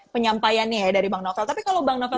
penyampaiannya ya dari bang nafal tapi kalau bang nafal